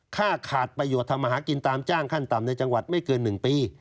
ค่าขาดประโยชน์ทำมาหากินตามจ้างขั้นต่ำในจังหวัดไม่เกิน๑ปี